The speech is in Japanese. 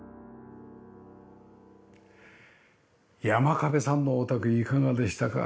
山下部さんのお宅いかがでしたか？